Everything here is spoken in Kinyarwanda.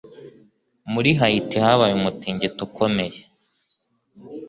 Muri Haiti, habaye umutingito ukomeye.